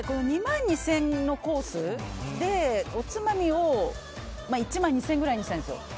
２万２０００円のコースでおつまみを１万２０００円くらいにしたんですよ。